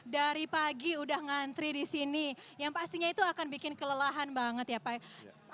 dari pagi udah ngantri di sini yang pastinya itu akan bikin kelelahan banget ya pak